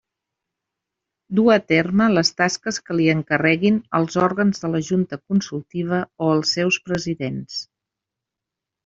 Dur a terme les tasques que li encarreguin els òrgans de la Junta Consultiva o els seus presidents.